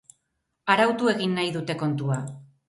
Arautu egin nahi dute kontua.